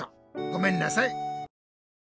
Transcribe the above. ごめんなさい。